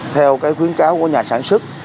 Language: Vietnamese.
theo khuyến cáo của nhà sản xuất